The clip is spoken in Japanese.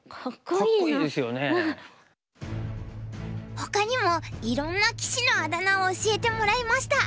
ほかにもいろんな棋士のあだ名を教えてもらいました。